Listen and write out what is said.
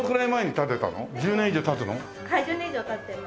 １０年以上経ってます。